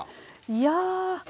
いや。